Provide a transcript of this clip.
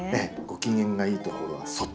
ご機嫌がいいところは外。